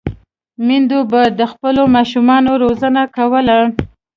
میندو به د خپلو ماشومانو روزنه کوله.